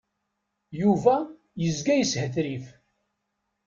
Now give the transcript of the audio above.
Yuba yezga yeshetrif.